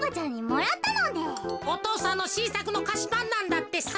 お父さんのしんさくのかしパンなんだってさ。